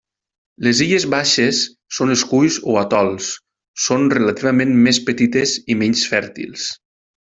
Les illes baixes són esculls o atols, són relativament més petites i menys fèrtils.